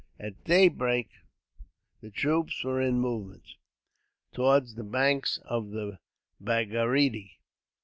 At daybreak, the troops were in movement towards the banks of the Bhagirathi.